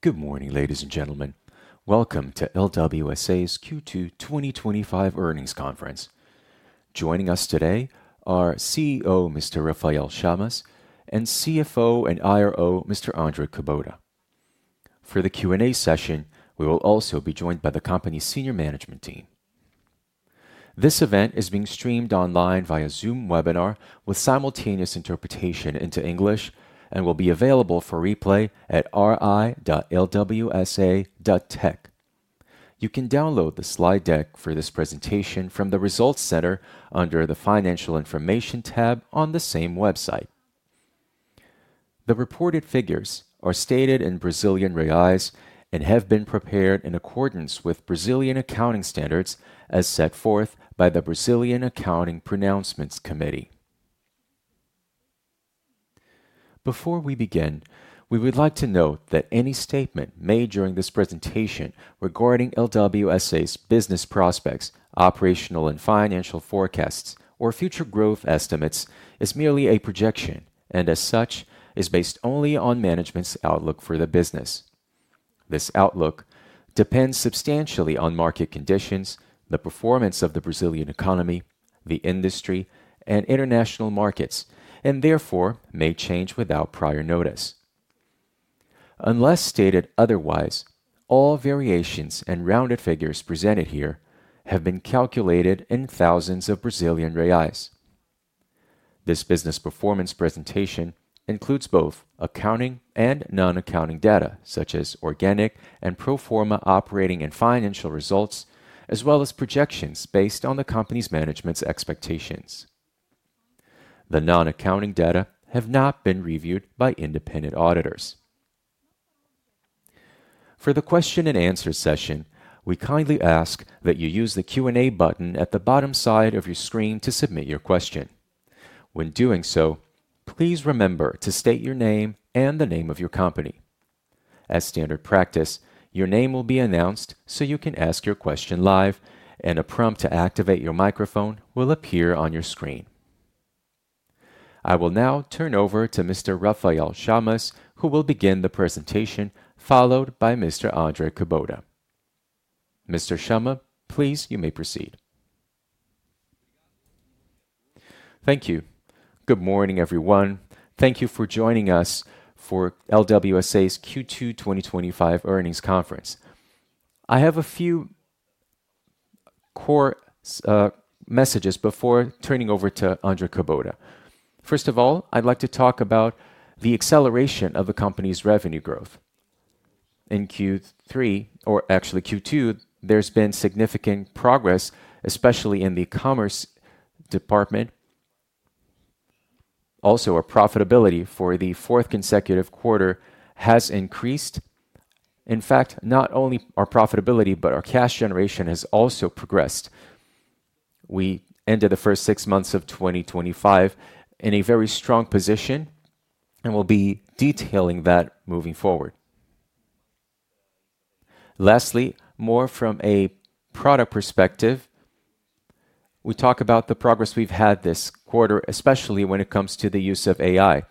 Good morning, ladies and gentlemen. Welcome to LWSA's Q2 2025 Earnings Conference. Joining us today are CEO Mr. Rafael Chamas and CFO and IRO Mr. Andre Kubota. For the Q&A session, we will also be joined by the company's senior management team. This event is being streamed online via Zoom webinar with simultaneous interpretation into English and will be available for replay at ri.lwsa.tech. You can download the slide deck for this presentation from the Results Center under the Financial Information tab on the same website. The reported figures are stated in Brazilian reais and have been prepared in accordance with Brazilian accounting standards as set forth by the Brazilian Accounting Pronouncements Committee. Before we begin, we would like to note that any statement made during this presentation regarding LWSA's business prospects, operational and financial forecasts, or future growth estimates is merely a projection and, as such, is based only on management's outlook for the business. This outlook depends substantially on market conditions, the performance of the Brazilian economy, the industry, and international markets, and therefore may change without prior notice. Unless stated otherwise, all variations and rounded figures presented here have been calculated in thousands of Brazilian reais. This business performance presentation includes both accounting and non-accounting data, such as organic and pro forma operating and financial results, as well as projections based on the company's management's expectations. The non-accounting data have not been reviewed by independent auditors. For the question and answer session, we kindly ask that you use the Q&A button at the bottom side of your screen to submit your question. When doing so, please remember to state your name and the name of your company. As standard practice, your name will be announced so you can ask your question live, and a prompt to activate your microphone will appear on your screen. I will now turn over to Mr. Rafael Chamas, who will begin the presentation, followed by Mr. Andre Kubota. Mr. Chamas, please you may proceed. Thank you. Good morning, everyone. Thank you for joining us for LWSA's Q2 2025 Earnings Conference. I have a few core messages before turning over to Andre Kubota. First of all, I'd like to talk about the acceleration of the company's revenue growth. In Q2, there's been significant progress, especially in the e-commerce department. Also, our profitability for the fourth consecutive quarter has increased. In fact, not only our profitability, but our cash generation has also progressed. We ended the first six months of 2025 in a very strong position, and we'll be detailing that moving forward. Lastly, more from a product perspective, we talk about the progress we've had this quarter, especially when it comes to the use of AI,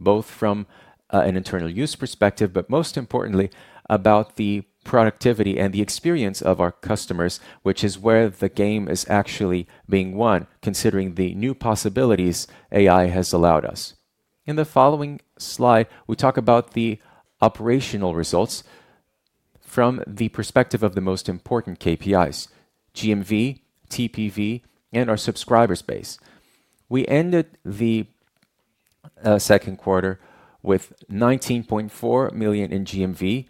both from an internal use perspective, but most importantly, about the productivity and the experience of our customers, which is where the game is actually being won, considering the new possibilities AI has allowed us. In the following slide, we talk about the operational results from the perspective of the most important KPIs: GMV, TPV, and our subscriber base. We ended the second quarter with 19.4 million in GMV,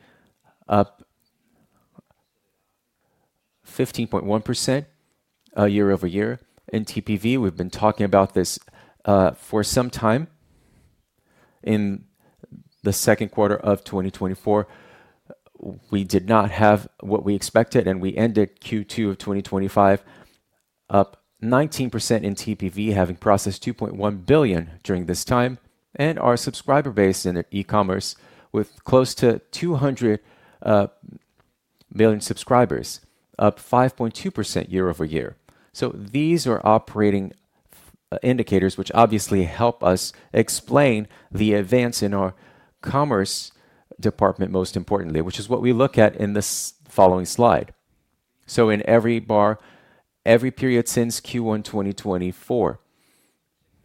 up 15.1% year-over-year. In TPV, we've been talking about this for some time. In the second quarter of 2024, we did not have what we expected, and we ended Q2 of 2025 up 19% in TPV, having processed 2.1 billion during this time, and our subscriber base in e-commerce with close to 200 million subscribers, up 5.2% year-over-year. These are operating indicators, which obviously help us explain the events in our commerce department, most importantly, which is what we look at in this following slide. In every bar, every period since Q1 2024,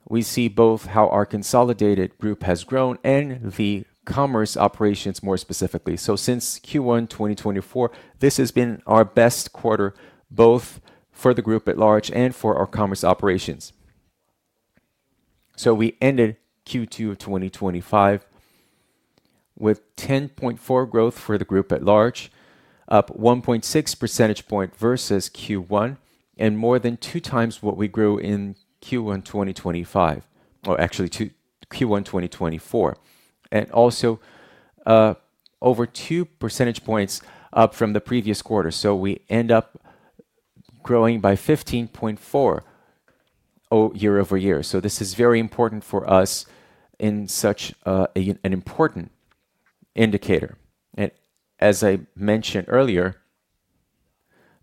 we see both how our consolidated group has grown and the commerce operations more specifically. Since Q1 2024, this has been our best quarter, both for the group at large and for our commerce operations. We ended Q2 of 2025 with 10.4% growth for the group at large, up 1.6 percentage points versus Q1, and more than two times what we grew in Q1 2025, or actually Q1 2024, and also over 2 percentage points up from the previous quarter. We end up growing by 15.4% year-over-year. This is very important for us in such an important indicator. As I mentioned earlier,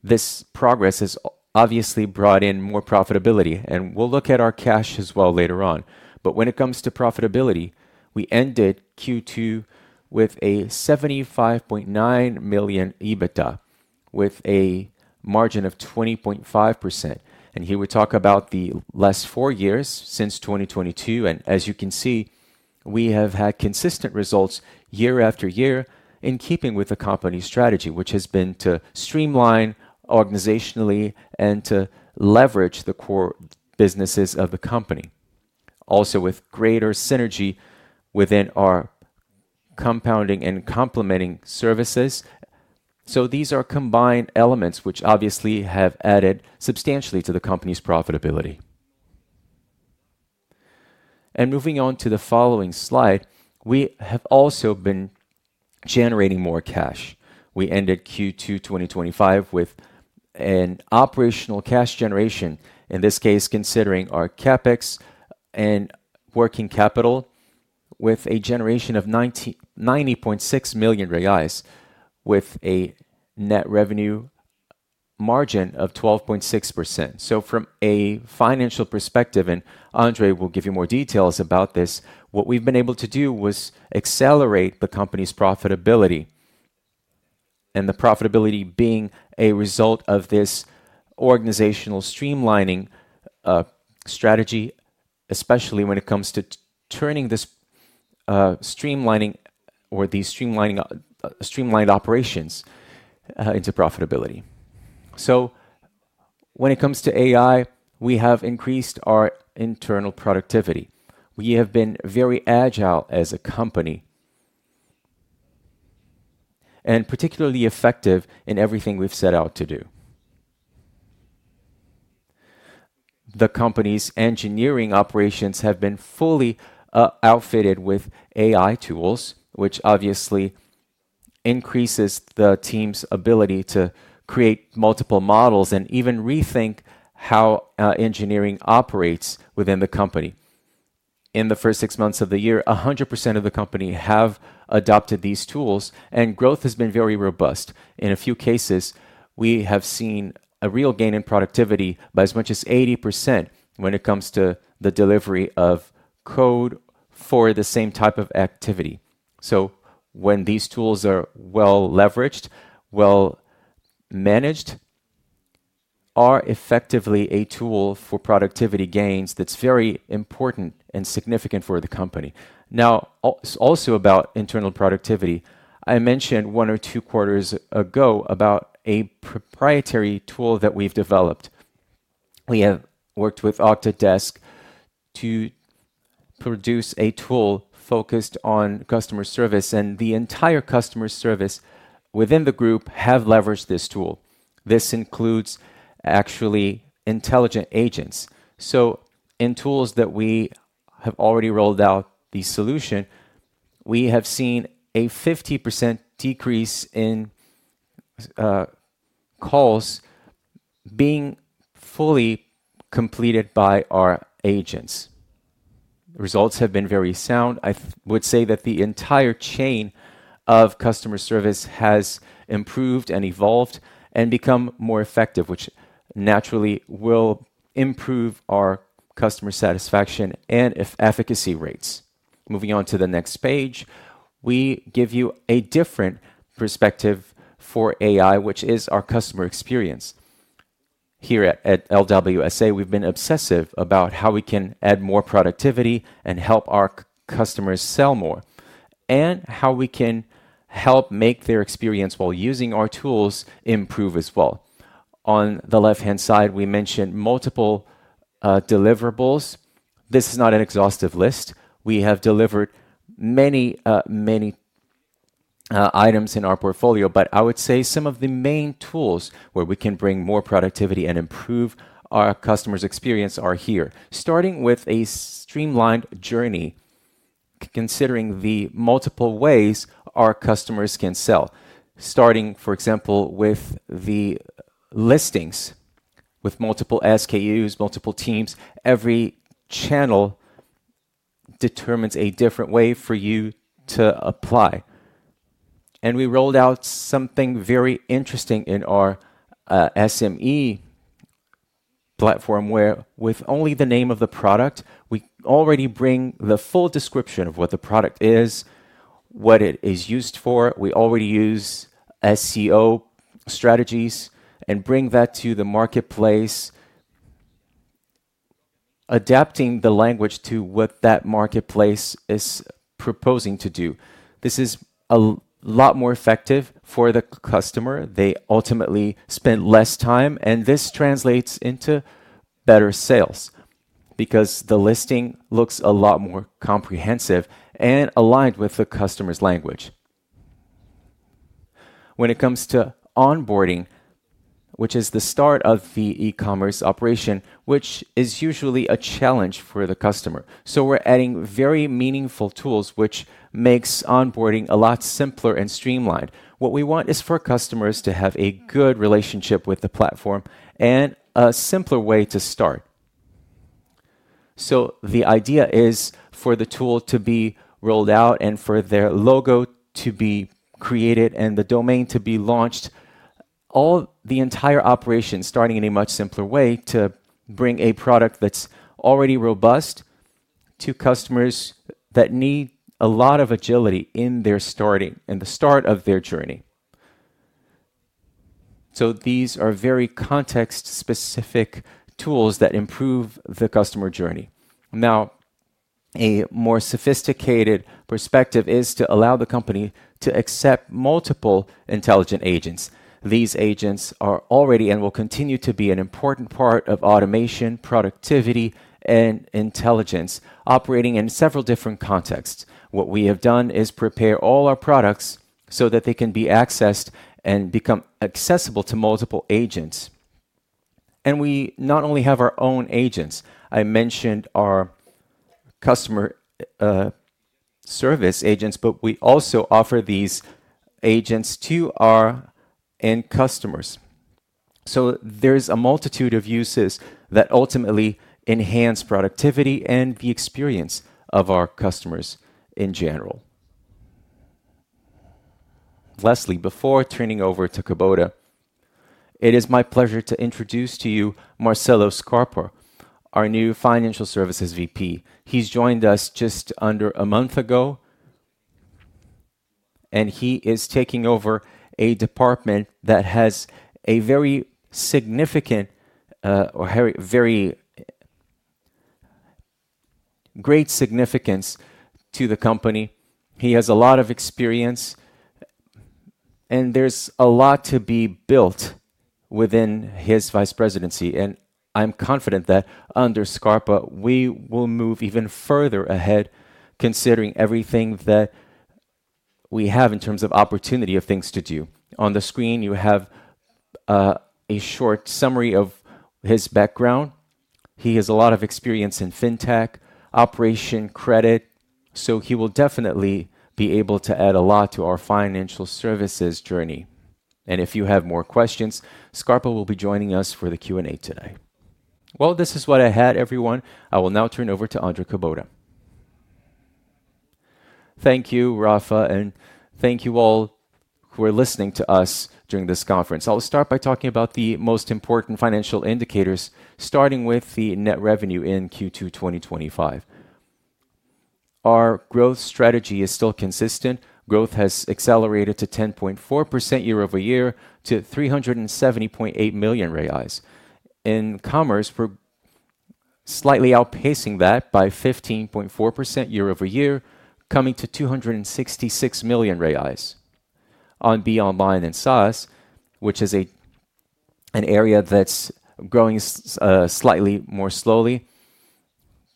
this progress has obviously brought in more profitability, and we'll look at our cash as well later on. When it comes to profitability, we ended Q2 with a 75.9 million EBITDA with a margin of 20.5%. Here we talk about the last four years since 2022. As you can see, we have had consistent results year after year in keeping with the company's strategy, which has been to streamline organizationally and to leverage the core businesses of the company, also with greater synergy within our compounding and complementing services. These are combined elements which obviously have added substantially to the company's profitability. Moving on to the following slide, we have also been generating more cash. We ended Q2 2025 with an operational cash generation, in this case considering our CapEx and working capital, with a generation of 90.6 million reais, with a net revenue margin of 12.6%. From a financial perspective, and Andre will give you more details about this, what we've been able to do was accelerate the company's profitability. The profitability being a result of this organizational streamlining strategy, especially when it comes to turning this streamlining or these streamlined operations into profitability. When it comes to AI, we have increased our internal productivity. We have been very agile as a company and particularly effective in everything we've set out to do. The company's engineering operations have been fully outfitted with AI tools, which obviously increases the team's ability to create multiple models and even rethink how engineering operates within the company. In the first six months of the year, 100% of the company have adopted these tools, and growth has been very robust. In a few cases, we have seen a real gain in productivity by as much as 80% when it comes to the delivery of code for the same type of activity. When these tools are well leveraged, well managed, they are effectively a tool for productivity gains that's very important and significant for the company. Now, it's also about internal productivity. I mentioned one or two quarters ago about a proprietary tool that we've developed. We have worked with Octadesk to produce a tool focused on customer service, and the entire customer service within the group has leveraged this tool. This includes actually intelligent agents. In tools that we have already rolled out, the solution, we have seen a 50% decrease in calls being fully completed by our agents. Results have been very sound. I would say that the entire chain of customer service has improved and evolved and become more effective, which naturally will improve our customer satisfaction and efficacy rates. Moving on to the next page, we give you a different perspective for AI, which is our customer experience. Here at LWSA, we've been obsessive about how we can add more productivity and help our customers sell more, and how we can help make their experience while using our tools improve as well. On the left-hand side, we mentioned multiple deliverables. This is not an exhaustive list. We have delivered many, many items in our portfolio, but I would say some of the main tools where we can bring more productivity and improve our customer's experience are here, starting with a streamlined journey, considering the multiple ways our customers can sell, starting, for example, with the listings, with multiple SKUs, multiple teams. Every channel determines a different way for you to apply. We rolled out something very interesting in our SME platform, where with only the name of the product, we already bring the full description of what the product is, what it is used for. We already use SEO strategies and bring that to the marketplace, adapting the language to what that marketplace is proposing to do. This is a lot more effective for the customer. They ultimately spend less time, and this translates into better sales because the listing looks a lot more comprehensive and aligned with the customer's language. When it comes to onboarding, which is the start of the e-commerce operation, which is usually a challenge for the customer, we are adding very meaningful tools, which make onboarding a lot simpler and streamlined. What we want is for customers to have a good relationship with the platform and a simpler way to start. The idea is for the tool to be rolled out and for their logo to be created and the domain to be launched, the entire operation starting in a much simpler way to bring a product that's already robust to customers that need a lot of agility in their starting and the start of their journey. These are very context-specific tools that improve the customer journey. Now, a more sophisticated perspective is to allow the company to accept multiple intelligent agents. These agents are already and will continue to be an important part of automation, productivity, and intelligence, operating in several different contexts. What we have done is prepare all our products so that they can be accessed and become accessible to multiple agents. We not only have our own agents, I mentioned our customer service agents, but we also offer these agents to our end customers. There is a multitude of uses that ultimately enhance productivity and the experience of our customers in general. Lastly, before turning over to Kubota, it is my pleasure to introduce to you Marcelo Scarpa, our new Financial Services VP. He's joined us just under a month ago, and he is taking over a department that has a very significant or very great significance to the company. He has a lot of experience, and there's a lot to be built within his Vice Presidency. I'm confident that under Scarpa, we will move even further ahead, considering everything that we have in terms of opportunity of things to do. On the screen, you have a short summary of his background. He has a lot of experience in fintech, operation credit, so he will definitely be able to add a lot to our financial services journey. If you have more questions, Scarpa will be joining us for the Q&A today. This is what I had, everyone. I will now turn over to Andre Kinjo Kubota. Thank you, Rafa, and thank you all who are listening to us during this conference. I'll start by talking about the most important financial indicators, starting with the net revenue in Q2 2025. Our growth strategy is still consistent. Growth has accelerated to 10.4% year-over-year to BRL 370.8 million. In commerce, we're slightly outpacing that by 15.4% year-over-year, coming to 266 million reais. On BeOnline and SaaS, which is an area that's growing slightly more slowly,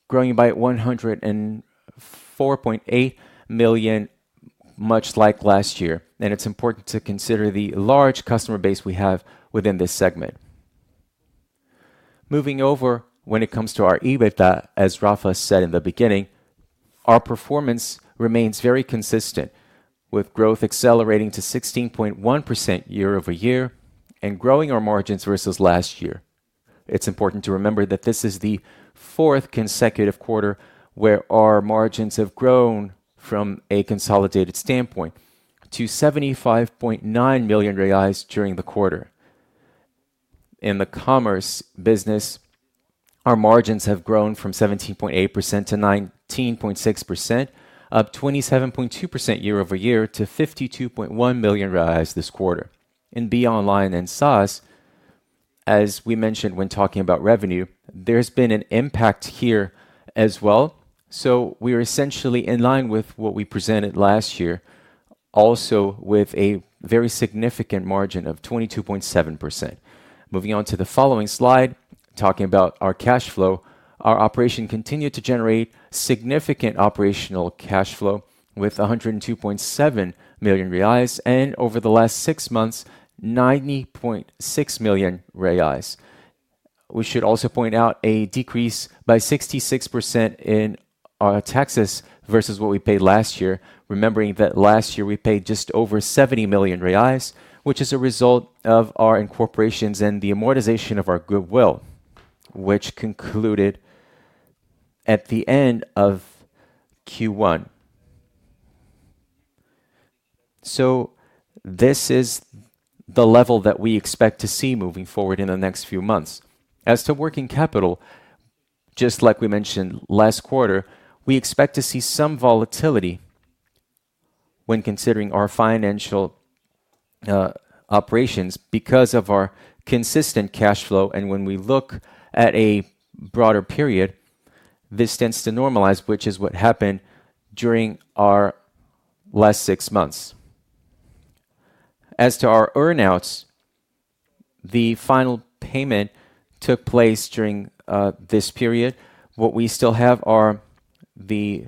growing by 104.8 million, much like last year. It's important to consider the large customer base we have within this segment. Moving over, when it comes to our EBITDA, as Rafa said in the beginning, our performance remains very consistent, with growth accelerating to 16.1% year-over-year and growing our margins versus last year. It's important to remember that this is the fourth consecutive quarter where our margins have grown from a consolidated standpoint to 75.9 million reais during the quarter. In the commerce business, our margins have grown from 17.8% to 19.6%, up 27.2% year-over-year to 52.1 million this quarter. In BeOnline and SaaS, as we mentioned when talking about revenue, there's been an impact here as well. We are essentially in line with what we presented last year, also with a very significant margin of 22.7%. Moving on to the following slide, talking about our cash flow, our operation continued to generate significant operational cash flow with 102.7 million reais and over the last six months, 90.6 million reais. We should also point out a decrease by 66% in our taxes versus what we paid last year, remembering that last year we paid just over 70 million reais, which is a result of our incorporations and the amortization of our goodwill, which concluded at the end of Q1. This is the level that we expect to see moving forward in the next few months. As to working capital, just like we mentioned last quarter, we expect to see some volatility when considering our financial operations because of our consistent cash flow. When we look at a broader period, this tends to normalize, which is what happened during our last six months. As to our earnouts, the final payment took place during this period. What we still have are the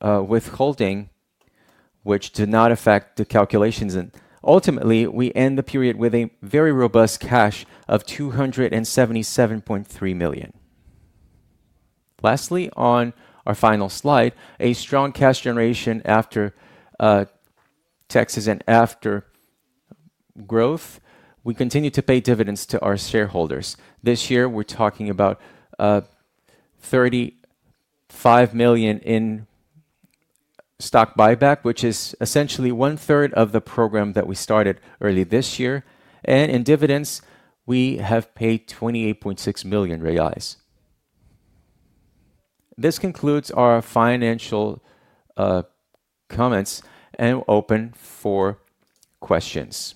withholding, which did not affect the calculations. Ultimately, we end the period with a very robust cash of 277.3 million. Lastly, on our final slide, a strong cash generation after taxes and after growth. We continue to pay dividends to our shareholders. This year, we're talking about 35 million in stock buyback, which is essentially one-third of the program that we started early this year. In dividends, we have paid 28.6 million reais. This concludes our financial comments and open for questions.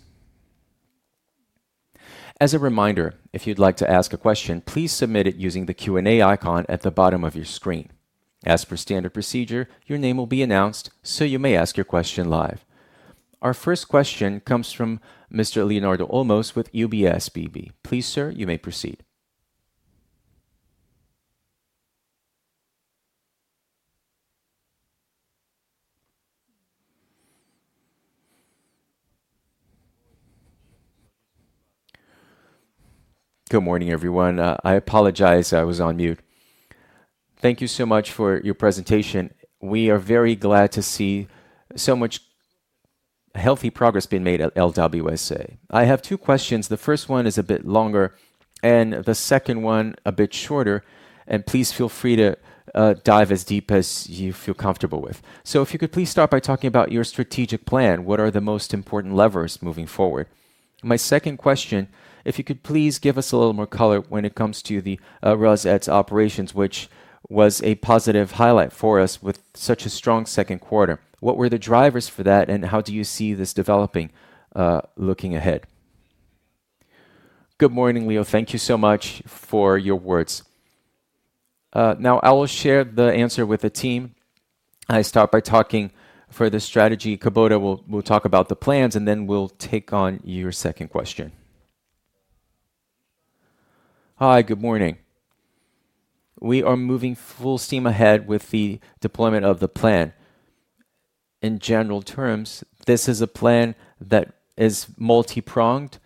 As a reminder, if you'd like to ask a question, please submit it using the Q&A icon at the bottom of your screen. As per standard procedure, your name will be announced, so you may ask your question live. Our first question comes from Mr. Leonardo Olmos with UBSBB. Please, sir, you may proceed. Good morning, everyone. I apologize, I was on mute. Thank you so much for your presentation. We are very glad to see so much healthy progress being made at LWSA. I have two questions. The first one is a bit longer, and the second one a bit shorter. Please feel free to dive as deep as you feel comfortable with. If you could please start by talking about your strategic plan, what are the most important levers moving forward? My second question, if you could please give us a little more color when it comes to the ResEd's operations, which was a positive highlight for us with such a strong second quarter. What were the drivers for that, and how do you see this developing looking ahead? Good morning, Leo. Thank you so much for your words. Now I will share the answer with the team. I start by talking for the strategy. Kubota will talk about the plans, and then we'll take on your second question. Hi, good morning. We are moving full steam ahead with the deployment of the plan. In general terms, this is a plan that is multi-pronged.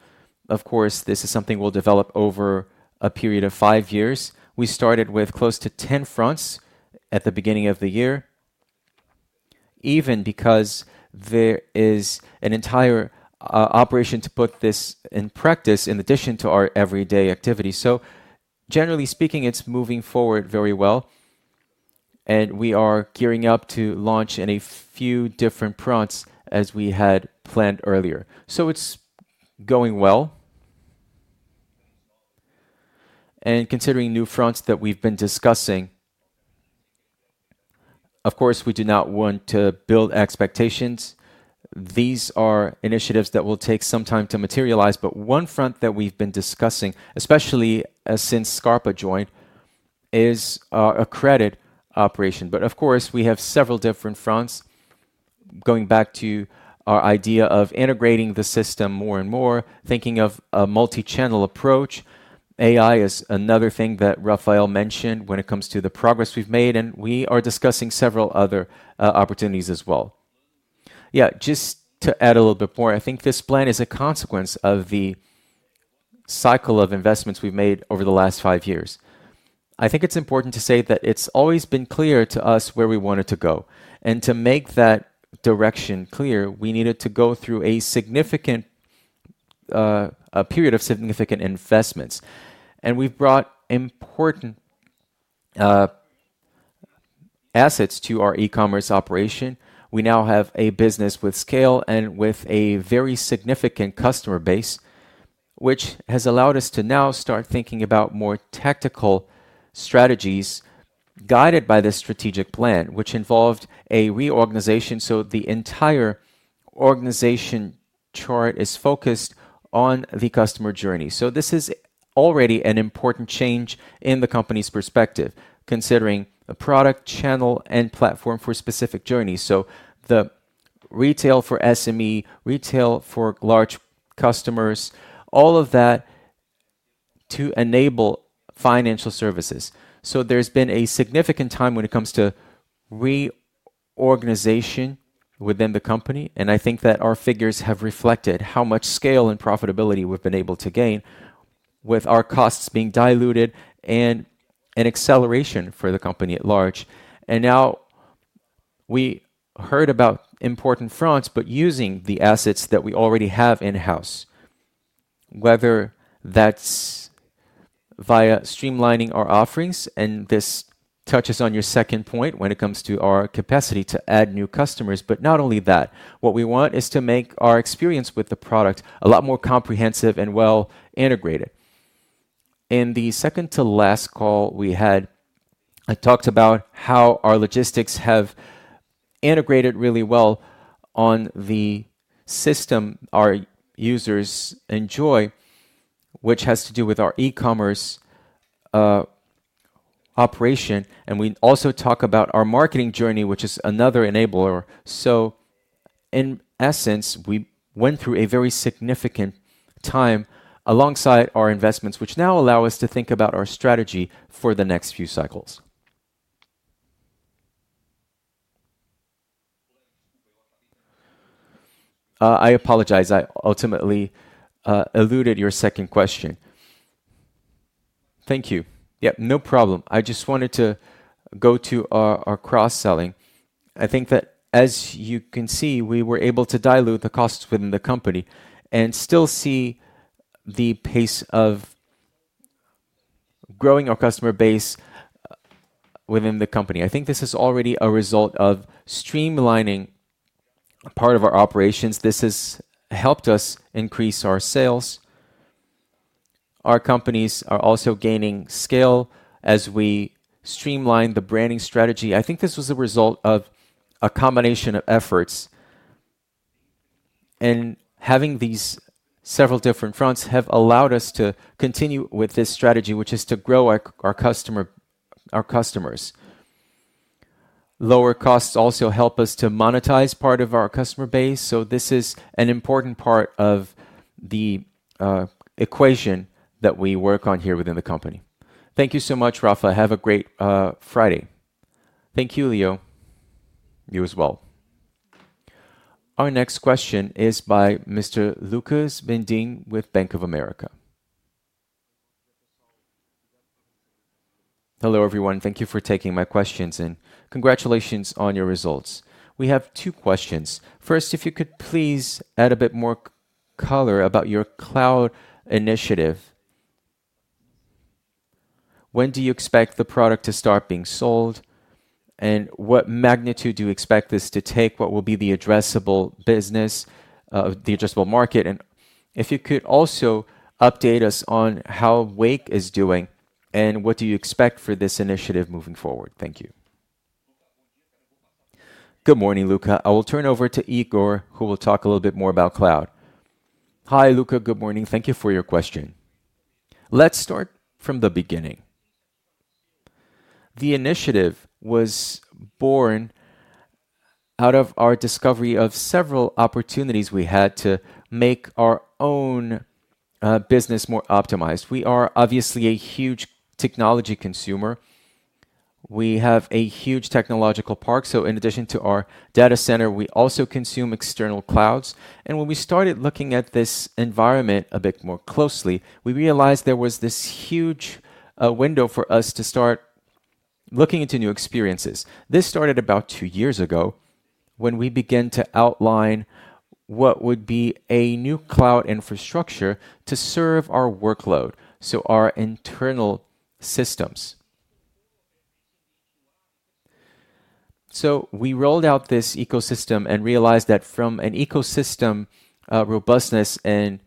This is something we'll develop over a period of five years. We started with close to 10 fronts at the beginning of the year, even because there is an entire operation to put this in practice in addition to our everyday activity. Generally speaking, it's moving forward very well, and we are gearing up to launch in a few different fronts as we had planned earlier. It's going well. Considering new fronts that we've been discussing, we do not want to build expectations. These are initiatives that will take some time to materialize. One front that we've been discussing, especially since Scarpa joined, is our accredit operation. We have several different fronts going back to our idea of integrating the system more and more, thinking of a multi-channel approach. AI is another thing that Rafael mentioned when it comes to the progress we've made, and we are discussing several other opportunities as well. Just to add a little bit more, I think this plan is a consequence of the cycle of investments we've made over the last five years. It's important to say that it's always been clear to us where we wanted to go. To make that direction clear, we needed to go through a significant period of significant investments. We've brought important assets to our e-commerce operation. We now have a business with scale and with a very significant customer base, which has allowed us to now start thinking about more tactical strategies guided by this strategic plan, which involved a reorganization. The entire organization chart is focused on the customer journey. This is already an important change in the company's perspective, considering the product channel and platform for specific journeys. The retail for SME, retail for large customers, all of that to enable financial services. There has been a significant time when it comes to reorganization within the company. I think that our figures have reflected how much scale and profitability we've been able to gain with our costs being diluted and an acceleration for the company at large. We heard about important fronts, but using the assets that we already have in-house, whether that's via streamlining our offerings, and this touches on your second point when it comes to our capacity to add new customers. Not only that, what we want is to make our experience with the product a lot more comprehensive and well integrated. In the second to last call we had, I talked about how our logistics have integrated really well on the system our users enjoy, which has to do with our e-commerce operation. We also talk about our marketing journey, which is another enabler. In essence, we went through a very significant time alongside our investments, which now allow us to think about our strategy for the next few cycles. I apologize, I ultimately eluded your second question. Thank you. Yeah, no problem. I just wanted to go to our cross-selling. I think that as you can see, we were able to dilute the costs within the company and still see the pace of growing our customer base within the company. I think this is already a result of streamlining part of our operations. This has helped us increase our sales. Our companies are also gaining scale as we streamline the branding strategy. I think this was a result of a combination of efforts. Having these several different fronts have allowed us to continue with this strategy, which is to grow our customers. Lower costs also help us to monetize part of our customer base. This is an important part of the equation that we work on here within the company. Thank you so much, Rafa. Have a great Friday. Thank you, Leo. You as well. Our next question is by Mr. Lucca Brendim with Bank of America. Hello, everyone. Thank you for taking my questions and congratulations on your results. We have two questions. First, if you could please add a bit more color about your cloud initiative. When do you expect the product to start being sold? What magnitude do you expect this to take? What will be the addressable business, the addressable market? If you could also update us on how Wake is doing and what do you expect for this initiative moving forward? Thank you. Good morning, Luca. I will turn over to Higor, who will talk a little bit more about cloud. Hi, Luca. Good morning. Thank you for your question. Let's start from the beginning. The initiative was born out of our discovery of several opportunities we had to make our own business more optimized. We are obviously a huge technology consumer. We have a huge technological park. In addition to our data center, we also consume external clouds. When we started looking at this environment a bit more closely, we realized there was this huge window for us to start looking into new experiences. This started about two years ago when we began to outline what would be a new cloud infrastructure to serve our workload, so our internal systems. We rolled out this ecosystem and realized that from an ecosystem robustness and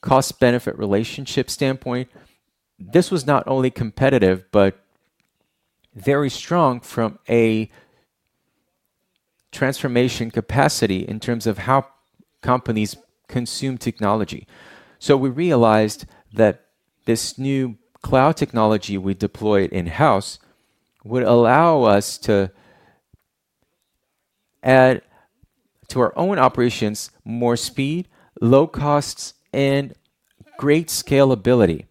cost-benefit relationship standpoint, this was not only competitive but very strong from a transformation capacity in terms of how companies consume technology. We realized that this new cloud technology we deployed in-house would allow us to add to our own operations more speed, low costs, and great scalability,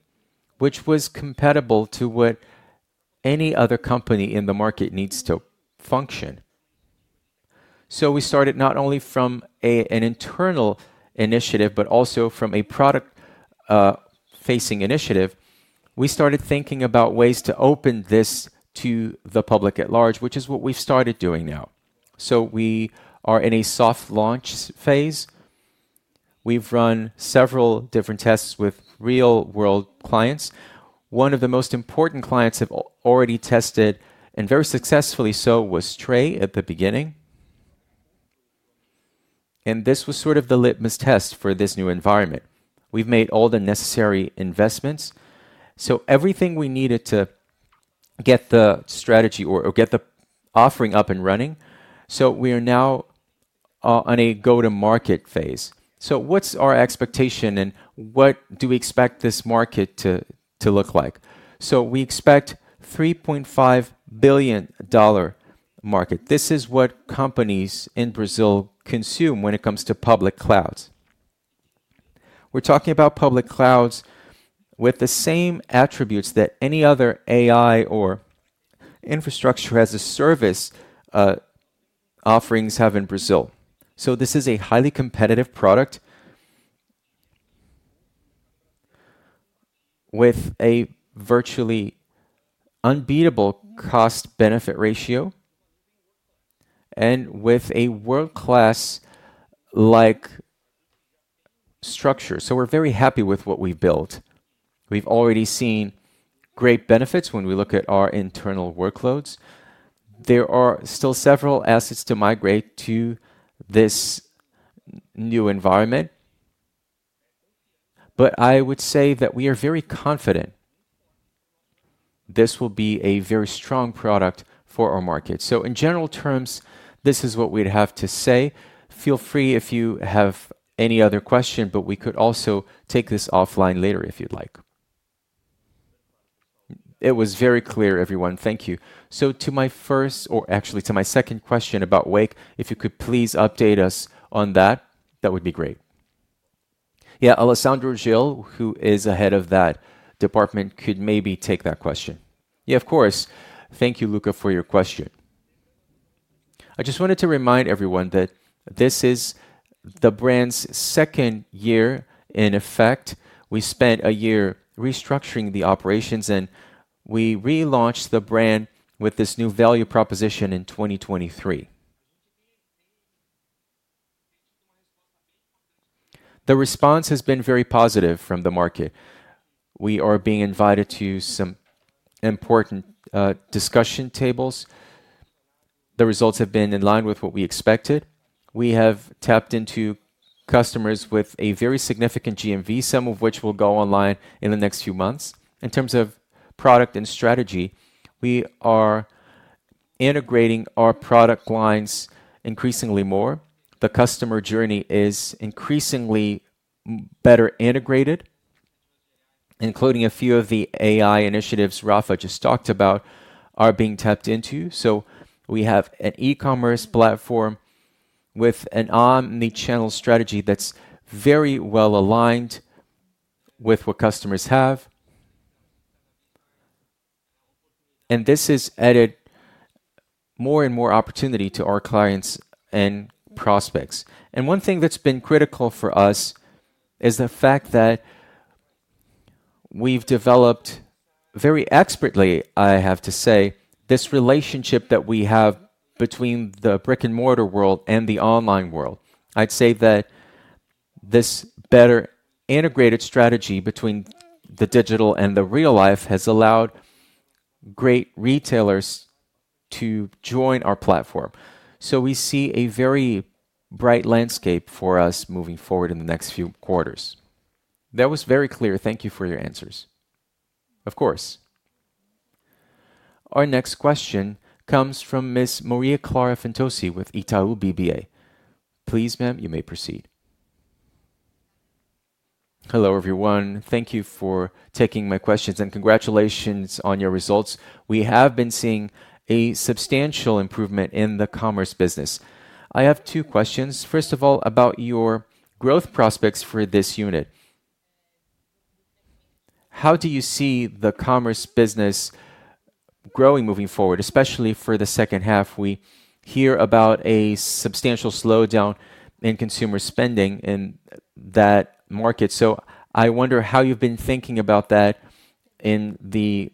which was compatible to what any other company in the market needs to function. We started not only from an internal initiative but also from a product-facing initiative. We started thinking about ways to open this to the public at large, which is what we've started doing now. We are in a soft launch phase. We've run several different tests with real-world clients. One of the most important clients have already tested, and very successfully so, was Tray at the beginning. This was sort of the litmus test for this new environment. We've made all the necessary investments, everything we needed to get the strategy or get the offering up and running. We are now on a go-to-market phase. What's our expectation and what do we expect this market to look like? We expect a $3.5 billion market. This is what companies in Brazil consume when it comes to public clouds. We're talking about public clouds with the same attributes that any other AI or infrastructure as a service offerings have in Brazil. This is a highly competitive product with a virtually unbeatable cost-benefit ratio and with a world-class structure. We're very happy with what we've built. We've already seen great benefits when we look at our internal workloads. There are still several assets to migrate to this new environment. I would say that we are very confident this will be a very strong product for our market. In general terms, this is what we'd have to say. Feel free if you have any other questions, but we could also take this offline later if you'd like. It was very clear, everyone. Thank you. To my first, or actually to my second question about Wake, if you could please update us on that, that would be great. Yeah, Alessandro Gil, who is ahead of that department, could maybe take that question. Yeah, of course. Thank you, Luca, for your question. I just wanted to remind everyone that this is the brand's second year in effect. We spent a year restructuring the operations, and we relaunched the brand with this new value proposition in 2023. The response has been very positive from the market. We are being invited to some important discussion tables. The results have been in line with what we expected. We have tapped into customers with a very significant GMV, some of which will go online in the next few months. In terms of product and strategy, we are integrating our product lines increasingly more. The customer journey is increasingly better integrated, including a few of the AI initiatives Rafa just talked about are being tapped into. We have an e-commerce platform with an omnichannel strategy that's very well aligned with what customers have. This has added more and more opportunity to our clients and prospects. One thing that's been critical for us is the fact that we've developed very expertly, I have to say, this relationship that we have between the brick-and-mortar world and the online world. I'd say that this better integrated strategy between the digital and the real life has allowed great retailers to join our platform. We see a very bright landscape for us moving forward in the next few quarters. That was very clear. Thank you for your answers. Of course. Our next question comes from Ms. Maria Clara Fantosi with Itaú BBA. Please, ma'am, you may proceed. Hello, everyone. Thank you for taking my questions and congratulations on your results. We have been seeing a substantial improvement in the commerce business. I have two questions. First of all, about your growth prospects for this unit. How do you see the commerce business growing moving forward, especially for the second half? We hear about a substantial slowdown in consumer spending in that market. I wonder how you've been thinking about that in the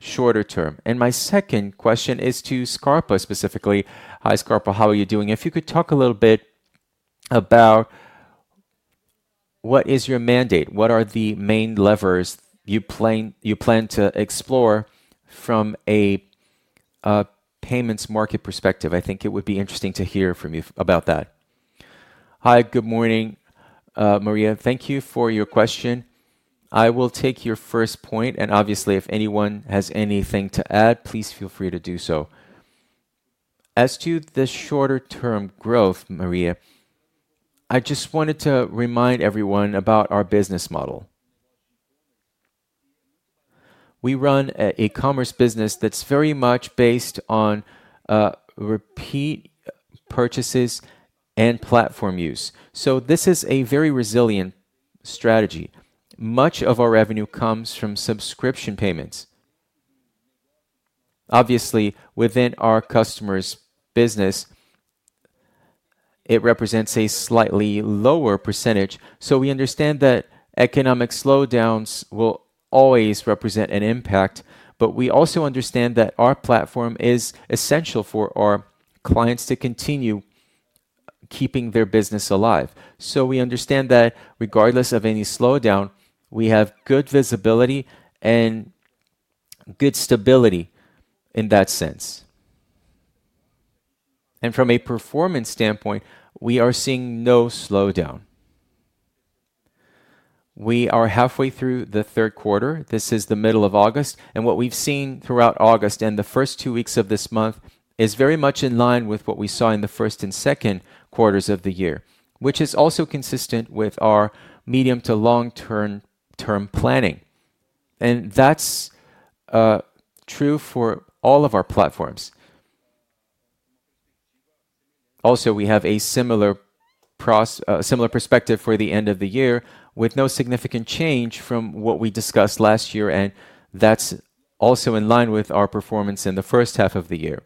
shorter term. My second question is to Scarpa, specifically. Hi, Scarpa. How are you doing? If you could talk a little bit about what is your mandate? What are the main levers you plan to explore from a payments market perspective? I think it would be interesting to hear from you about that. Hi, good morning, Maria. Thank you for your question. I will take your first point, and obviously, if anyone has anything to add, please feel free to do so. As to the shorter-term growth, Maria, I just wanted to remind everyone about our business model. We run a commerce business that's very much based on repeat purchases and platform use. This is a very resilient strategy. Much of our revenue comes from subscription payments. Obviously, within our customers' business, it represents a slightly lower percentage. We understand that economic slowdowns will always represent an impact, but we also understand that our platform is essential for our clients to continue keeping their business alive. We understand that regardless of any slowdown, we have good visibility and good stability in that sense. From a performance standpoint, we are seeing no slowdown. We are halfway through the third quarter. This is the middle of August. What we've seen throughout August and the first two weeks of this month is very much in line with what we saw in the first and second quarters of the year, which is also consistent with our medium to long-term planning. That's true for all of our platforms. We have a similar perspective for the end of the year with no significant change from what we discussed last year, and that's also in line with our performance in the first half of the year.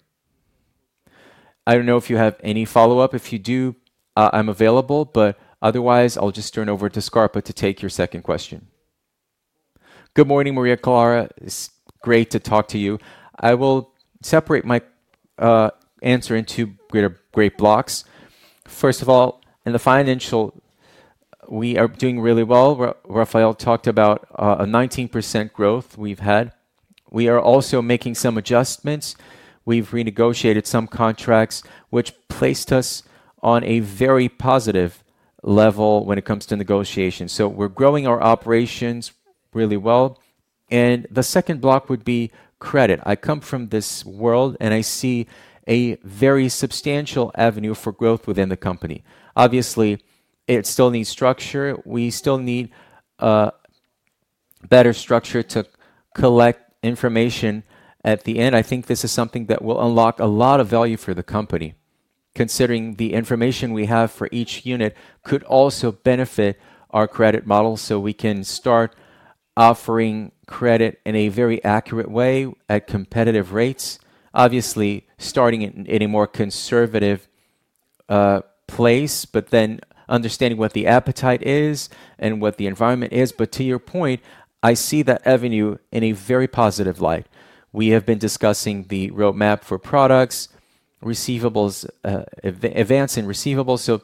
I don't know if you have any follow-up. If you do, I'm available, but otherwise, I'll just turn over to Scarpa to take your second question. Good morning, Maria Clara. It's great to talk to you. I will separate my answer into great blocks. First of all, in the financial, we are doing really well. Rafael talked about a 19% growth we've had. We are also making some adjustments. We've renegotiated some contracts, which placed us on a very positive level when it comes to negotiations. We're growing our operations really well. The second block would be credit. I come from this world, and I see a very substantial avenue for growth within the company. Obviously, it still needs structure. We still need a better structure to collect information at the end. I think this is something that will unlock a lot of value for the company, considering the information we have for each unit could also benefit our credit model. We can start offering credit in a very accurate way at competitive rates, obviously starting in a more conservative place, then understanding what the appetite is and what the environment is. To your point, I see that avenue in a very positive light. We have been discussing the roadmap for products, receivables, advance in receivables.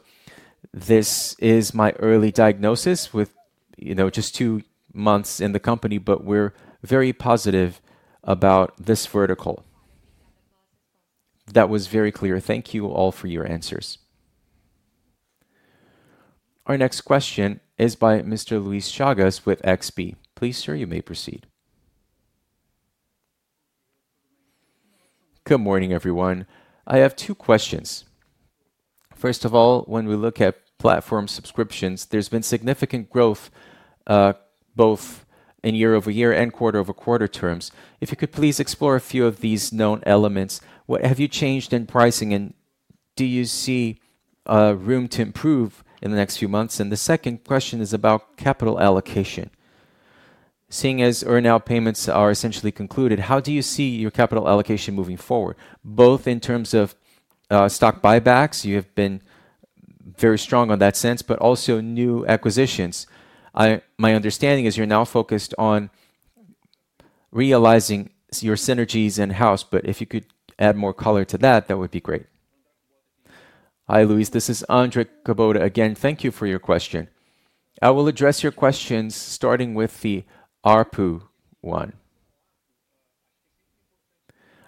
This is my early diagnosis with just two months in the company, but we're very positive about this vertical. That was very clear. Thank you all for your answers. Our next question is by Mr. Luís Chagas with XP. Please, sir, you may proceed. Good morning, everyone. I have two questions. First of all, when we look at platform subscriptions, there's been significant growth both in year-over-year and quarter-over-quarter terms. If you could please explore a few of these known elements, what have you changed in pricing, and do you see room to improve in the next few months? The second question is about capital allocation. Seeing as earnout payments are essentially concluded, how do you see your capital allocation moving forward, both in terms of stock buybacks? You have been very strong on that sense, but also new acquisitions. My understanding is you're now focused on realizing your synergies in-house, but if you could add more color to that, that would be great. Hi, Luís. This is Andre Kubota. Again, thank you for your question. I will address your questions starting with the ARPU one.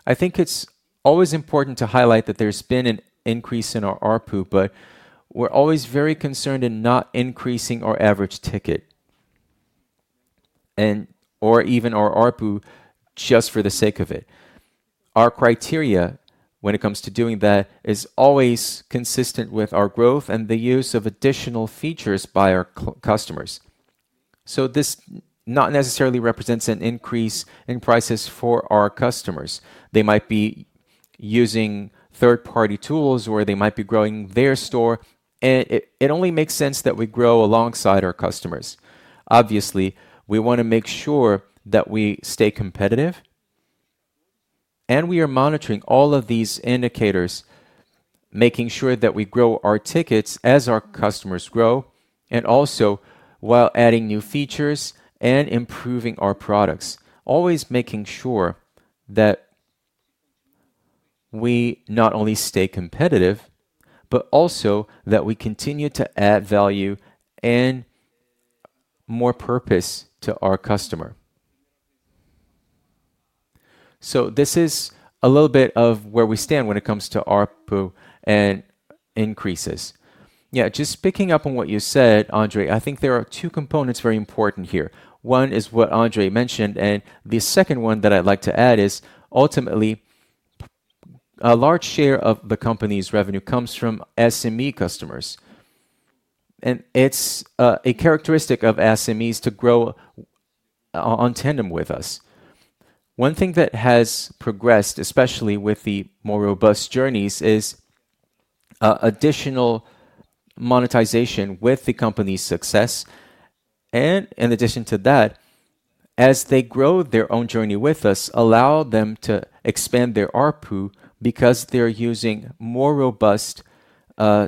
I think it's always important to highlight that there's been an increase in our ARPU, but we're always very concerned in not increasing our average ticket and/or even our ARPU just for the sake of it. Our criteria when it comes to doing that is always consistent with our growth and the use of additional features by our customers. This not necessarily represents an increase in prices for our customers. They might be using third-party tools or they might be growing their store, and it only makes sense that we grow alongside our customers. Obviously, we want to make sure that we stay competitive, and we are monitoring all of these indicators, making sure that we grow our tickets as our customers grow and also while adding new features and improving our products, always making sure that we not only stay competitive but also that we continue to add value and more purpose to our customer. This is a little bit of where we stand when it comes to ARPU and increases. Just picking up on what you said, Andre, I think there are two components very important here. One is what Andre mentioned, and the second one that I'd like to add is ultimately a large share of the company's revenue comes from SME customers. It's a characteristic of SMEs to grow in tandem with us. One thing that has progressed, especially with the more robust journeys, is additional monetization with the company's success. In addition to that, as they grow their own journey with us, it allows them to expand their ARPU because they're using more robust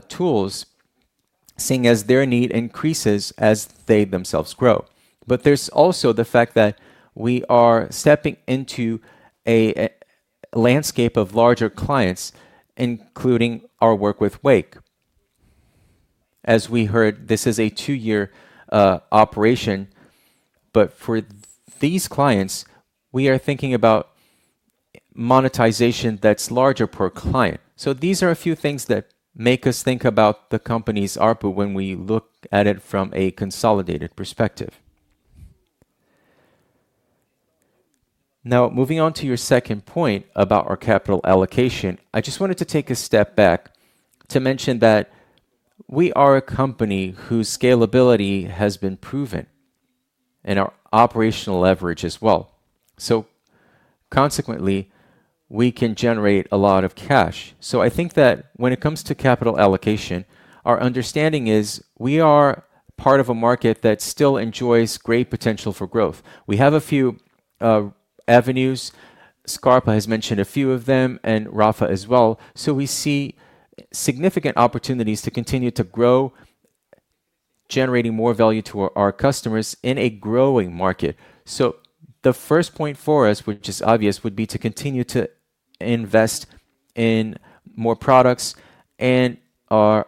tools, seeing as their need increases as they themselves grow. There's also the fact that we are stepping into a landscape of larger clients, including our work with Wake. As we heard, this is a two-year operation, but for these clients, we are thinking about monetization that's larger per client. These are a few things that make us think about the company's ARPU when we look at it from a consolidated perspective. Now, moving on to your second point about our capital allocation, I just wanted to take a step back to mention that we are a company whose scalability has been proven and our operational leverage as well. Consequently, we can generate a lot of cash. I think that when it comes to capital allocation, our understanding is we are part of a market that still enjoys great potential for growth. We have a few avenues. Scarpa has mentioned a few of them, and Rafa as well. We see significant opportunities to continue to grow, generating more value to our customers in a growing market. The first point for us, which is obvious, would be to continue to invest in more products and our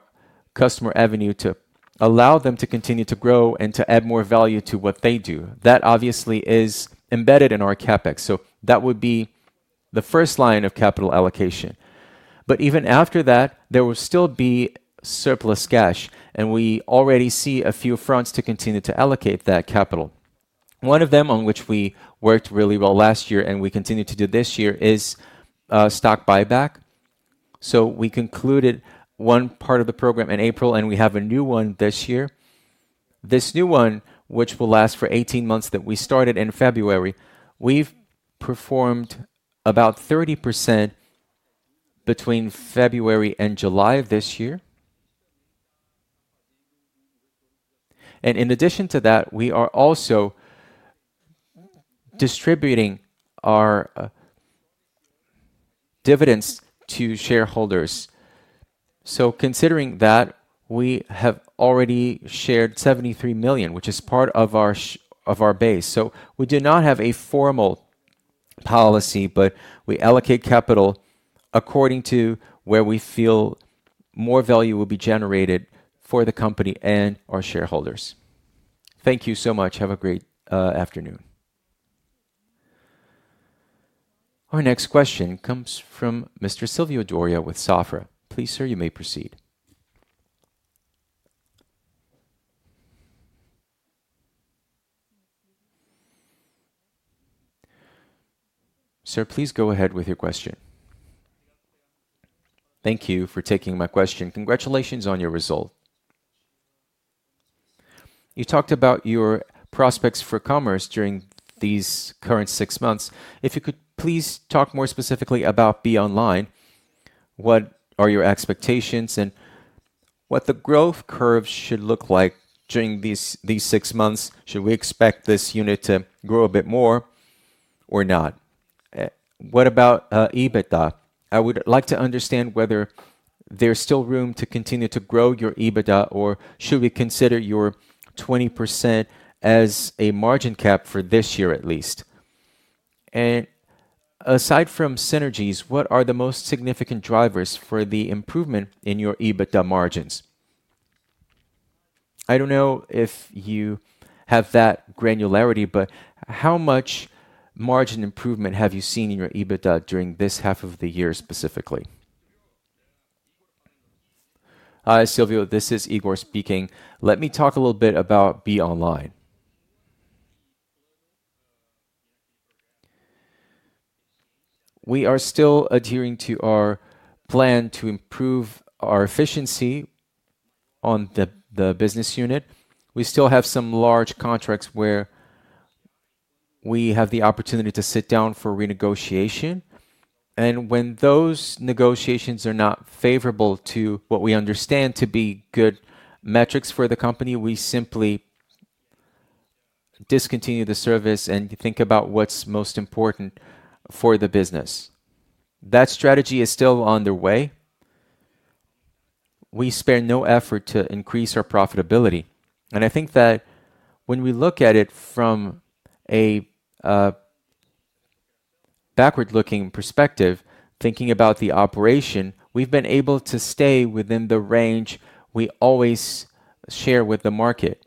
customer avenue to allow them to continue to grow and to add more value to what they do. That obviously is embedded in our CapEx. That would be the first line of capital allocation. Even after that, there will still be surplus cash, and we already see a few fronts to continue to allocate that capital. One of them on which we worked really well last year and we continue to do this year is stock buyback. We concluded one part of the program in April, and we have a new one this year. This new one, which will last for 18 months, that we started in February, we've performed about 30% between February and July of this year. In addition to that, we are also distributing our dividends to shareholders. Considering that, we have already shared 73 million, which is part of our base. We do not have a formal policy, but we allocate capital according to where we feel more value will be generated for the company and our shareholders. Thank you so much. Have a great afternoon. Our next question comes from Mr. Silvio Doria with Safra. Please, sir, you may proceed. Sir, please go ahead with your question. Thank you for taking my question. Congratulations on your result. You talked about your prospects for commerce during these current six months. If you could please talk more specifically about BeOnline, what are your expectations and what the growth curves should look like during these six months? Should we expect this unit to grow a bit more or not? What about EBITDA? I would like to understand whether there's still room to continue to grow your EBITDA or should we consider your 20% as a margin cap for this year at least? Aside from synergies, what are the most significant drivers for the improvement in your EBITDA margins? I don't know if you have that granularity, but how much margin improvement have you seen in your EBITDA during this half of the year specifically? Hi, Silvio. This is Higor speaking. Let me talk a little bit about BeOnline. We are still adhering to our plan to improve our efficiency on the business unit. We still have some large contracts where we have the opportunity to sit down for renegotiation. When those negotiations are not favorable to what we understand to be good metrics for the company, we simply discontinue the service and think about what's most important for the business. That strategy is still underway. We spare no effort to increase our profitability. I think that when we look at it from a backward-looking perspective, thinking about the operation, we've been able to stay within the range we always share with the market,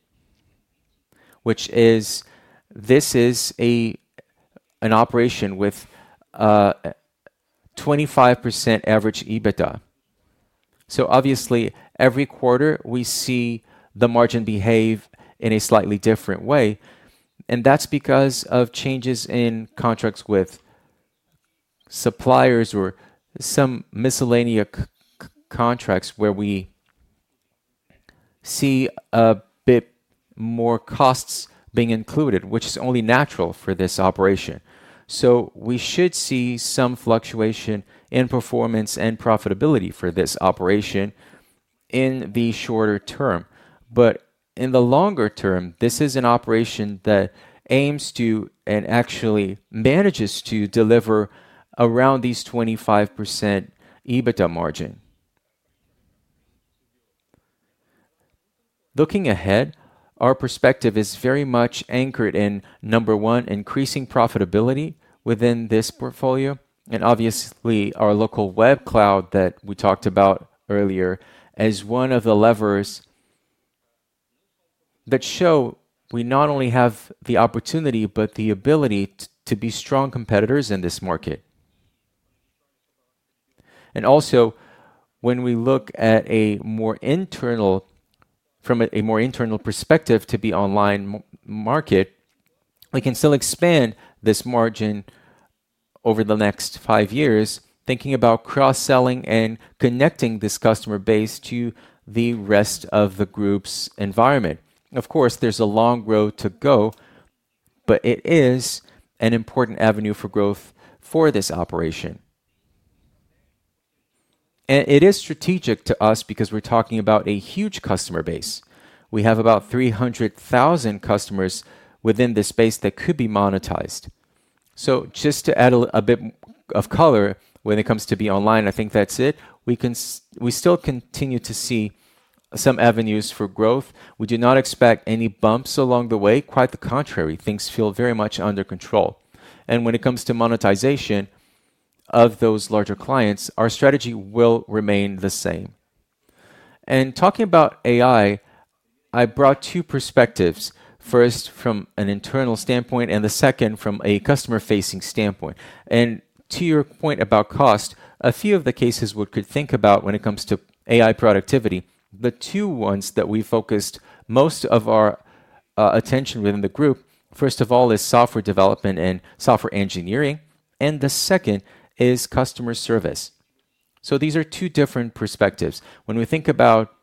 which is this is an operation with 25% average EBITDA. Obviously, every quarter we see the margin behave in a slightly different way. That's because of changes in contracts with suppliers or some miscellaneous contracts where we see a bit more costs being included, which is only natural for this operation. We should see some fluctuation in performance and profitability for this operation in the shorter term. In the longer term, this is an operation that aims to and actually manages to deliver around these 25% EBITDA margin. Looking ahead, our perspective is very much anchored in, number one, increasing profitability within this portfolio. Our Locaweb Cloud that we talked about earlier is one of the levers that show we not only have the opportunity but the ability to be strong competitors in this market. When we look at a more internal perspective to BeOnline market, we can still expand this margin over the next five years, thinking about cross-selling and connecting this customer base to the rest of the group's environment. Of course, there's a long road to go, but it is an important avenue for growth for this operation. It is strategic to us because we're talking about a huge customer base. We have about 300,000 customers within this space that could be monetized. Just to add a bit of color when it comes to BeOnline, I think that's it. We still continue to see some avenues for growth. We do not expect any bumps along the way. Quite the contrary, things feel very much under control. When it comes to monetization of those larger clients, our strategy will remain the same. Talking about AI, I brought two perspectives, first from an internal standpoint and the second from a customer-facing standpoint. To your point about cost, a few of the cases we could think about when it comes to AI productivity, the two ones that we focused most of our attention within the group, first of all, is software development and software engineering, and the second is customer service. These are two different perspectives. When we think about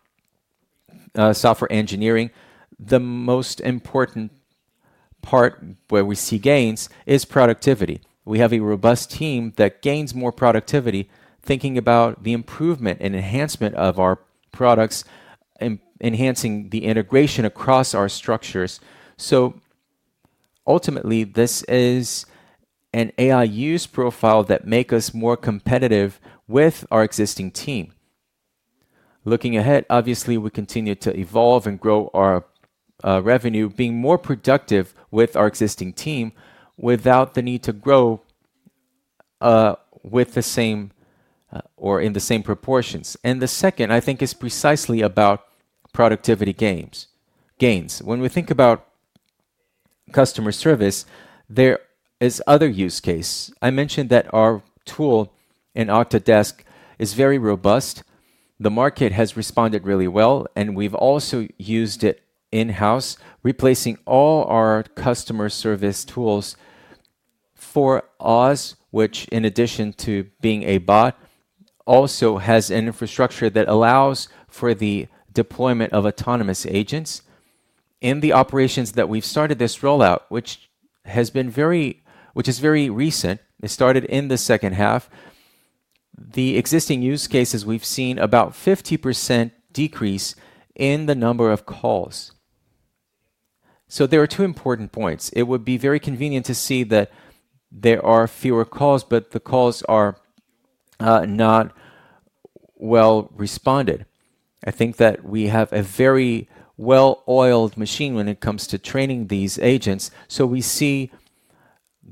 software engineering, the most important part where we see gains is productivity. We have a robust team that gains more productivity, thinking about the improvement and enhancement of our products, enhancing the integration across our structures. Ultimately, this is an AI use profile that makes us more competitive with our existing team. Looking ahead, obviously, we continue to evolve and grow our revenue, being more productive with our existing team without the need to grow with the same or in the same proportions. The second, I think, is precisely about productivity gains. When we think about customer service, there is another use case. I mentioned that our tool in Octadesk is very robust. The market has responded really well, and we've also used it in-house, replacing all our customer service tools for WOZ, which in addition to being a bot, also has an infrastructure that allows for the deployment of autonomous agents. In the operations that we've started this rollout, which is very recent, it started in the second half, the existing use cases we've seen about a 50% decrease in the number of calls. There are two important points. It would be very convenient to see that there are fewer calls, but the calls are not well responded. I think that we have a very well-oiled machine when it comes to training these agents. We see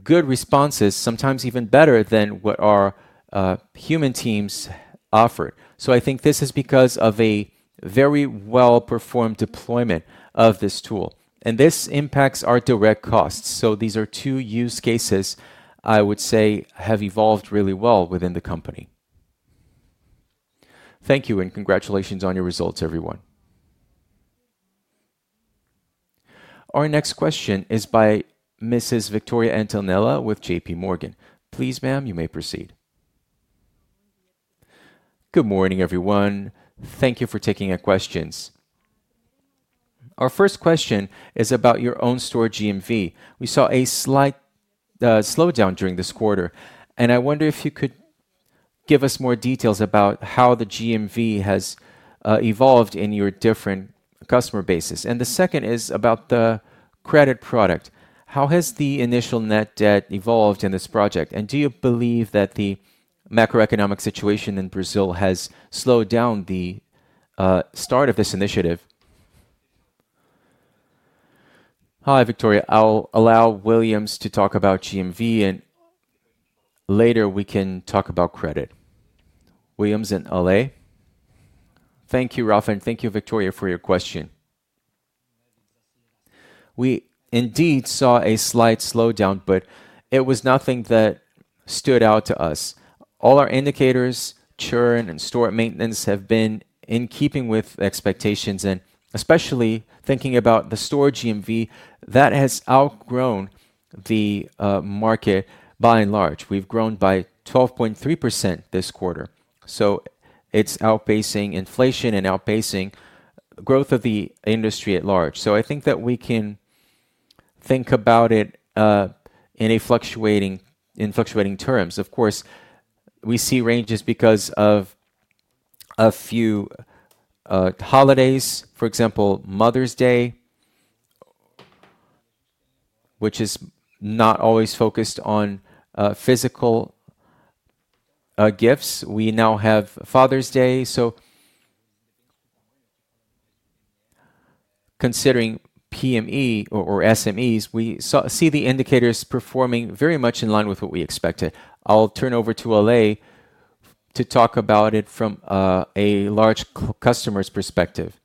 good responses, sometimes even better than what our human teams offered. I think this is because of a very well-performed deployment of this tool. This impacts our direct costs. These are two use cases I would say have evolved really well within the company. Thank you and congratulations on your results, everyone. Our next question is by Mrs. Victoria Antonello with JPMorgan. Please, ma'am, you may proceed. Good morning, everyone. Thank you for taking our questions. Our first question is about your own store GMV. We saw a slight slowdown during this quarter, and I wonder if you could give us more details about how the GMV has evolved in your different customer bases. The second is about the credit product. How has the initial net debt evolved in this project? Do you believe that the macroeconomic situation in Brazil has slowed down the start of this initiative? Hi, Victoria. I'll allow Willians to talk about GMV, and later we can talk about credit. Willians and Ale. Thank you, Rafa, and thank you, Victoria, for your question. We indeed saw a slight slowdown, but it was nothing that stood out to us. All our indicators, churn, and store maintenance have been in keeping with expectations, and especially thinking about the store GMV that has outgrown the market by and large. We've grown by 12.3% this quarter. It's outpacing inflation and outpacing the growth of the industry at large. I think that we can think about it in fluctuating terms. Of course, we see ranges because of a few holidays, for example, Mother's Day, which is not always focused on physical gifts. We now have Father's Day. Considering PME or SMEs, we see the indicators performing very much in line with what we expected. I'll turn over to LA to talk about it from a large customer's perspective.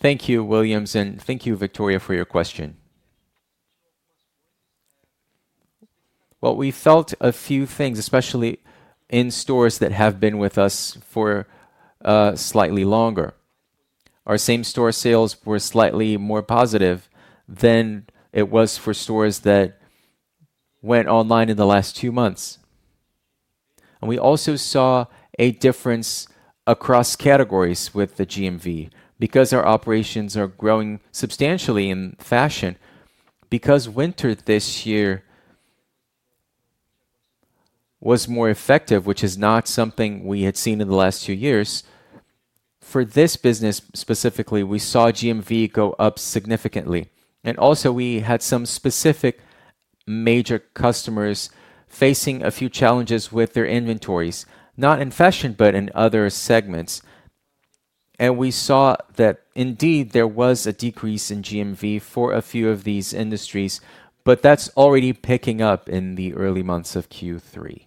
Thank you, Willians, and thank you, Victoria, for your question. We felt a few things, especially in stores that have been with us for slightly longer. Our same-store sales were slightly more positive than it was for stores that went online in the last two months. We also saw a difference across categories with the GMV because our operations are growing substantially in fashion. Winter this year was more effective, which is not something we had seen in the last two years. For this business specifically, we saw GMV go up significantly. We had some specific major customers facing a few challenges with their inventories, not in fashion, but in other segments. We saw that indeed there was a decrease in GMV for a few of these industries, but that's already picking up in the early months of Q3.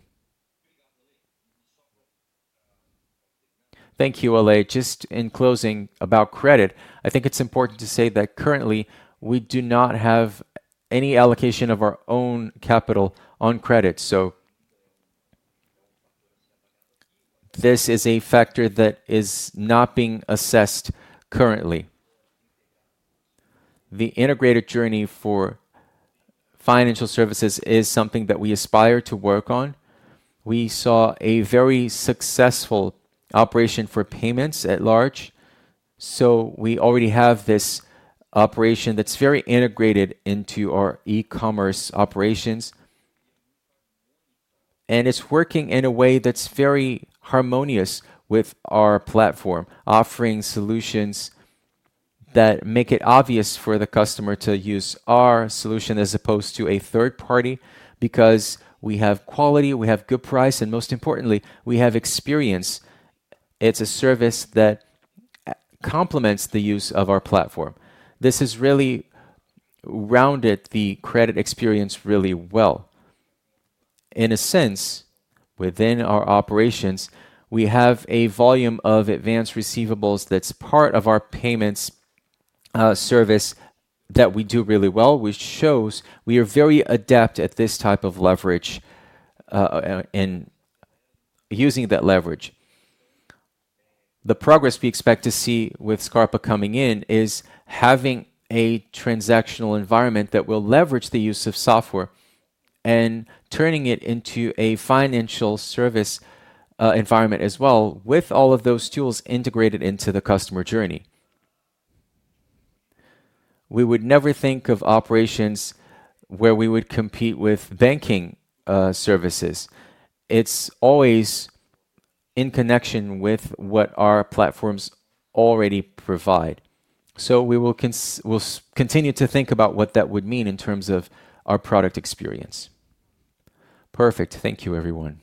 Thank you, Ale. Just in closing, about credit, I think it's important to say that currently we do not have any allocation of our own capital on credit. This is a factor that is not being assessed currently. The integrated journey for financial services is something that we aspire to work on. We saw a very successful operation for payments at large. We already have this operation that's very integrated into our e-commerce operations, and it's working in a way that's very harmonious with our platform, offering solutions that make it obvious for the customer to use our solution as opposed to a third party because we have quality, we have good price, and most importantly, we have experience. It's a service that complements the use of our platform. This has really rounded the credit experience really well. In a sense, within our operations, we have a volume of advanced receivables that's part of our payments service that we do really well, which shows we are very adept at this type of leverage and using that leverage. The progress we expect to see with Scarpa coming in is having a transactional environment that will leverage the use of software and turning it into a financial service environment as well, with all of those tools integrated into the customer journey. We would never think of operations where we would compete with banking services. It's always in connection with what our platforms already provide. We will continue to think about what that would mean in terms of our product experience. Perfect. Thank you, everyone.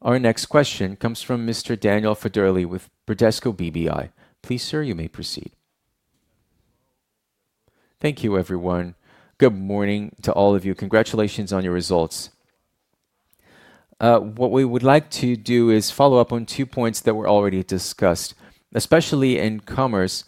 Our next question comes from Mr. Daniel Federle with Bradesco BBI. Please, sir, you may proceed. Thank you, everyone. Good morning to all of you. Congratulations on your results. What we would like to do is follow up on two points that were already discussed, especially in commerce.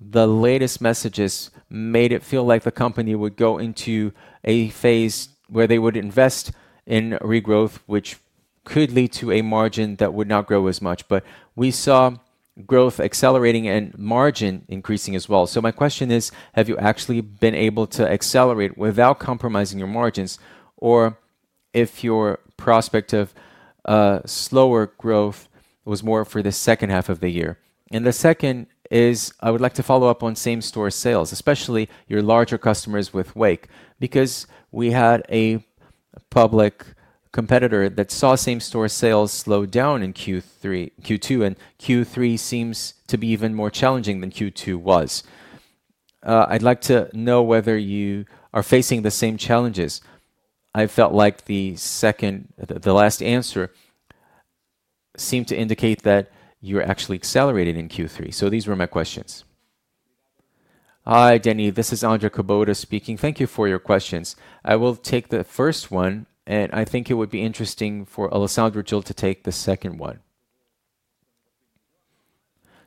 The latest messages made it feel like the company would go into a phase where they would invest in regrowth, which could lead to a margin that would not grow as much. We saw growth accelerating and margin increasing as well. My question is, have you actually been able to accelerate without compromising your margins? If your prospect of slower growth was more for the second half of the year? The second is, I would like to follow up on same-store sales, especially your larger customers with Wake, because we had a public competitor that saw same-store sales slow down in Q2, and Q3 seems to be even more challenging than Q2 was. I'd like to know whether you are facing the same challenges. I felt like the second, the last answer seemed to indicate that you were actually accelerating in Q3. These were my questions. Hi, Denny. This is Andre Kubota speaking. Thank you for your questions. I will take the first one, and I think it would be interesting for Alessandro Gil to take the second one.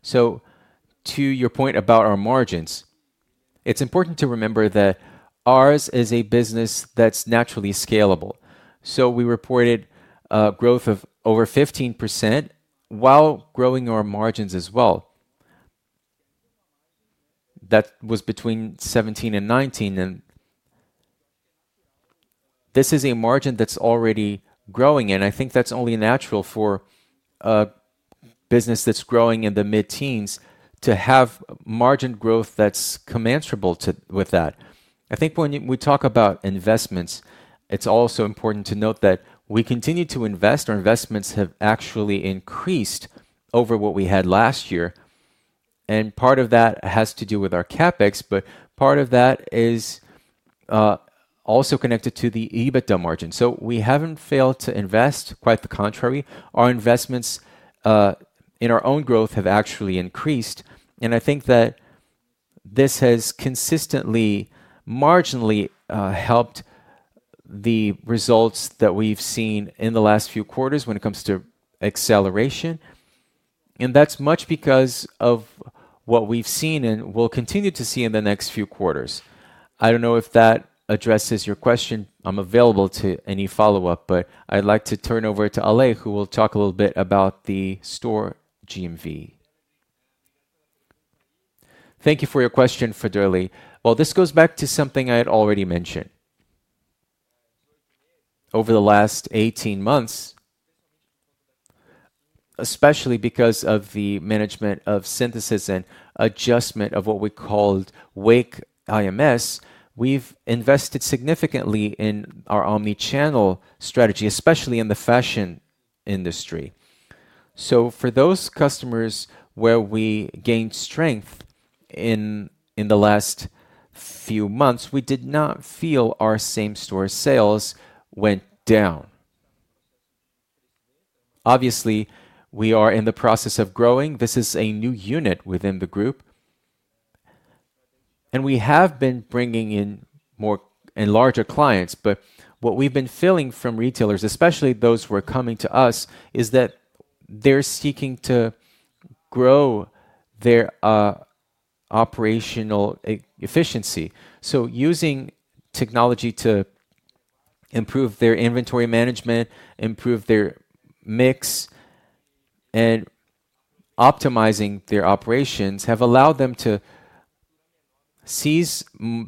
To your point about our margins, it's important to remember that ours is a business that's naturally scalable. We reported a growth of over 15% while growing our margins as well. That was between 17% and 19%. This is a margin that's already growing, and I think that's only natural for a business that's growing in the mid-teens to have margin growth that's commensurable with that. When we talk about investments, it's also important to note that we continue to invest. Our investments have actually increased over what we had last year. Part of that has to do with our CapEx, but part of that is also connected to the EBITDA margin. We haven't failed to invest, quite the contrary. Our investments in our own growth have actually increased. I think that this has consistently marginally helped the results that we've seen in the last few quarters when it comes to acceleration. That's much because of what we've seen and will continue to see in the next few quarters. I don't know if that addresses your question. I'm available to any follow-up, but I'd like to turn over to Ale, who will talk a little bit about the store GMV. Thank you for your question, Federle. This goes back to something I had already mentioned. Over the last 18 months, especially because of the management of synthesis and adjustment of what we called Wake IMS, we've invested significantly in our Omni-channel strategy, especially in the fashion industry. For those customers where we gained strength in the last few months, we did not feel our same-store sales went down. Obviously, we are in the process of growing. This is a new unit within the group, and we have been bringing in more and larger clients. What we've been feeling from retailers, especially those who are coming to us, is that they're seeking to grow their operational efficiency. Using technology to improve their inventory management, improve their mix, and optimizing their operations have allowed them to seize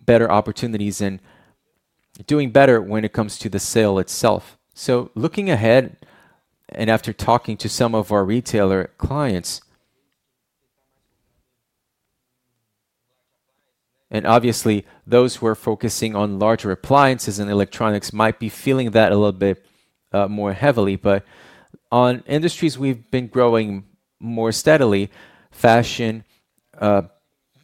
better opportunities and do better when it comes to the sale itself. Looking ahead and after talking to some of our retailer clients, obviously those who are focusing on larger appliances and electronics might be feeling that a little bit more heavily, but on industries we've been growing more steadily, fashion,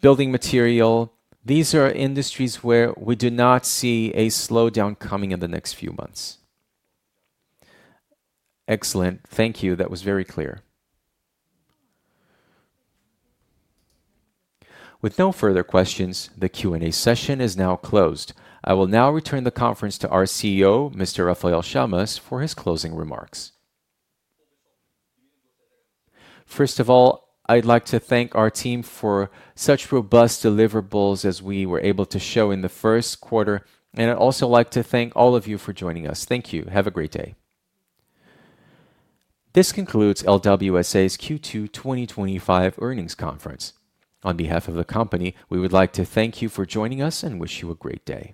building material, these are industries where we do not see a slowdown coming in the next few months. Excellent. Thank you. That was very clear. With no further questions, the Q&A session is now closed. I will now return the conference to our CEO, Mr. Rafael Chamas, for his closing remarks. First of all, I'd like to thank our team for such robust deliverables as we were able to show in the first quarter. I'd also like to thank all of you for joining us. Thank you. Have a great day. This concludes LWSA's Q2 2025 earnings conference. On behalf of the company, we would like to thank you for joining us and wish you a great day.